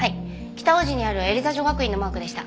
北大路にあるエリザ女学院のマークでした。